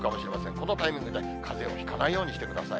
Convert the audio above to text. このタイミングでかぜをひかないようにしてください。